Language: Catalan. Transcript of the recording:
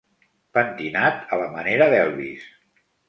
Pentinat a la manera d'Elvis.